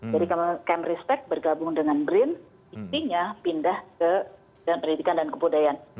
jadi ken respect bergabung dengan brin istinya pindah ke pendidikan dan kebudayaan